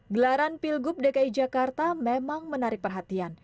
gelaran pilgub dki jakarta memang menarik perhatian